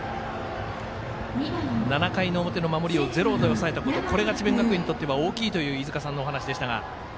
７回の表の守りを０で抑えたこれが智弁学園にとっては大きいという飯塚さんのお話でしたが。